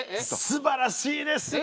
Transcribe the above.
すばらしいですね。